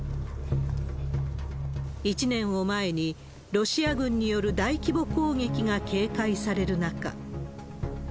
１年を前に、ロシア軍による大規模攻撃が警戒される中。